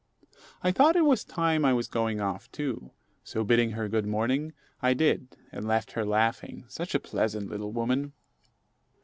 I thought it was time I was going off too; so bidding her good morning, I did, and left her laughing such a pleasant little woman!